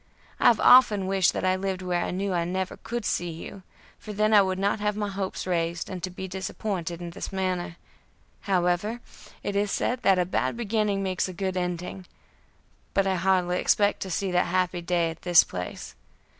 I have often wished that I lived where I knew I never could see you, for then I would not have my hopes raised, and to be disappointed in this manner; however, it is said that a bad beginning makes a good ending, but I hardly expect to see that happy day at this place.